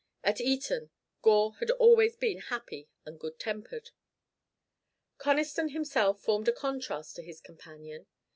At Eton, Gore had always been happy and good tempered. Conniston himself formed a contrast to his companion.